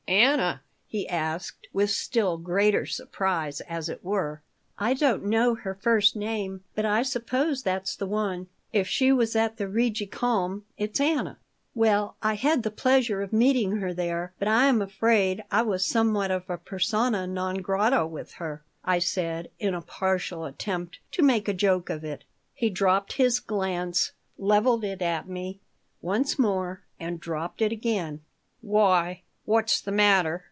"Anna?" he asked, with still greater surprise, as it were "I don't know her first name, but I suppose that's the one." "If she was at the Rigi Kulm, it's Anna." "Well, I had the pleasure of meeting her there, but I am afraid I was somewhat of a persona non grata with her," I said, in a partial attempt to make a joke of it He dropped his glance, leveled it at me once more, and dropped it again "Why, what was the matter?"